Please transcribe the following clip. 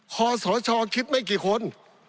ครสชคิดให้กี่คน